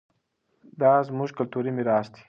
دا زموږ کلتوري ميراث دی.